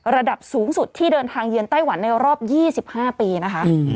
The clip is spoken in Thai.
ระดับสูงสุดที่เดินทางเยือนไต้หวันในรอบ๒๕ปีนะคะ